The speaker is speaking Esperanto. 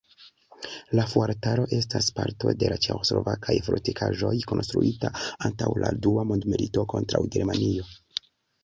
La fuortaro estas parto de ĉeĥoslovakaj fortikaĵoj konstruita antaŭ la dua mondmilito kontraŭ Germanio.